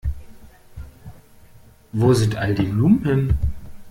Wo sind all die Blumen hin?